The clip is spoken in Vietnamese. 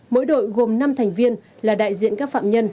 mỗi đội gồm năm thành viên là đại diện các phạm nhân